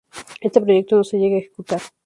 Este proyecto no se llega a ejecutar.